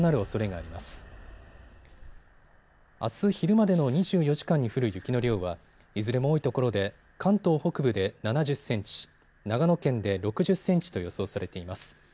あす昼までの２４時間に降る雪の量はいずれも多い所で関東北部で７０センチ長野県で６０センチと予想されています。